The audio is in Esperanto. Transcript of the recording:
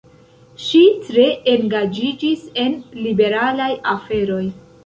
Ŝi tre engaĝiĝis en liberalaj aferoj.